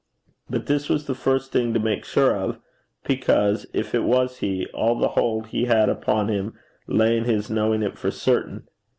But this was the first thing to make sure of, because, if it was he, all the hold he had upon him lay in his knowing it for certain.